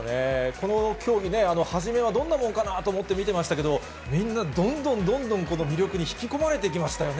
この競技、初めはどんなものかなと思って見てましたけど、みんなどんどんどんどん、この魅力に引き込まれていきましたよね。